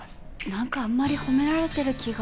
何かあんまり褒められてる気が。